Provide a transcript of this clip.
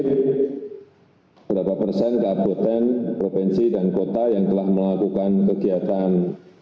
berapa persen kabupaten provinsi dan kota yang telah melakukan kegiatan